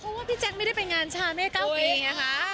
เพราะว่าพี่แจ๊คไม่ได้ไปงานชาแม่๙ปีไงคะ